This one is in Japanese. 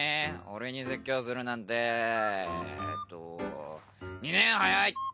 俺に説教するなんてえっと２年早い！